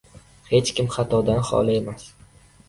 • Hech kim xatodan xoli emas.